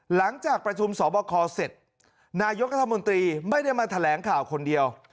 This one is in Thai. หลังจากประชุมสอบคอเสร็จนายกรัฐมนตรีไม่ได้มาแถลงข่าวคนเดียว